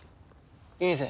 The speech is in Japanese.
いいぜ。